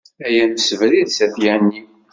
Ay amsebrid s at Yanni.